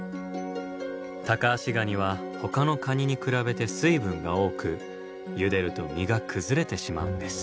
タカアシガニはほかのカニに比べて水分が多くゆでると身が崩れてしまうんです。